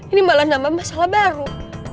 ini malah nambah masalah baru